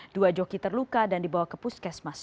dua joki terluka dan dibawa ke puskesmas